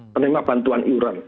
penerima bantuan uuran